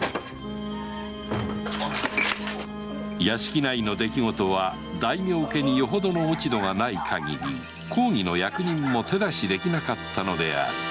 屋敷内の出来事は大名家によほどの落ち度がない限り公儀の役人も手出しできなかったのである